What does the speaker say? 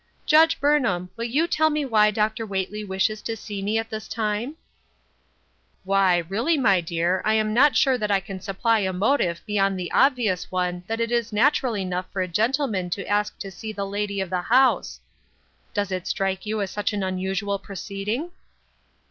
" Judge Burnham, will you tell me why Dr. Whately wishes to see me at this time ?"" Why, really, my dear, I am not sure that I can supply a motive beyond the obvious one that it is natural enough for a gentleman to ask to see the lady of the house. Does it strike you as such an unusual proceeding